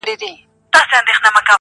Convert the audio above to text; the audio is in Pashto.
ډېر عمر ښه دی عجیبي وینو!.